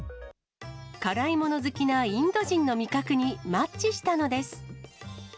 辛い物好きなインド人の味覚にマッチしたのです。